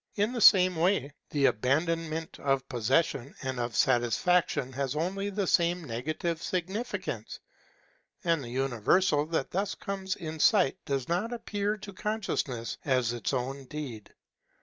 In the same way the abandonment of possession and of satis faction has only the same negative significance, and the uni versal that thus comes in sight does not appear to consciousness as its own deed.